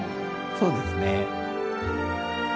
そうですね。